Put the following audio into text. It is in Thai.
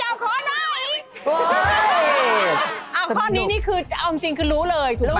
เอาข้อนี้นี่คือเอาจริงคือรู้เลยถูกปะ